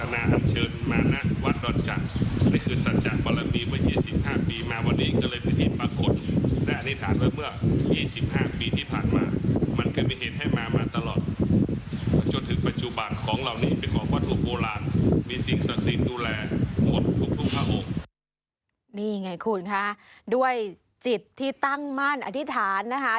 นี่ไงคุณคะด้วยจิตที่ตั้งมั่นอธิษฐานนะคะ